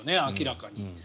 明らかに。